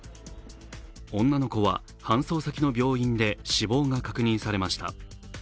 女の子は搬送先の病院で死亡が確認されました。